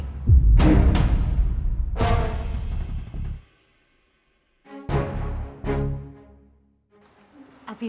afif sebenarnya apa yang terjadi itu